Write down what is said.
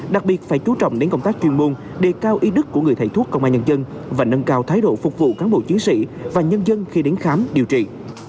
đặc biệt phải chú trọng đến công tác chuyên môn đề cao ý đức của người thầy thuốc công an nhân dân và nâng cao thái độ phục vụ cán bộ chiến sĩ và nhân dân khi đến khám điều trị